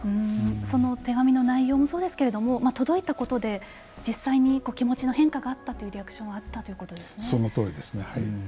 その手紙の内容もそうですけれども届いたことで実際に気持ちの変化があったというリアクションがあったそのとおりですね。